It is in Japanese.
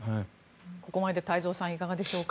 ここまでで太蔵さんいかがでしょうか。